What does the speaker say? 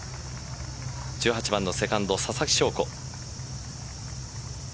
１８番のセカンドささきしょうこ。